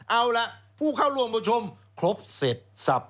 เอาล่ะผู้เข้าร่วมประชุมครบเสร็จสับ